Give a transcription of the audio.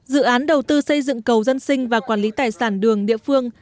dự án đầu tư xây dựng cầu dân sinh và quản lý tài sản đường địa phương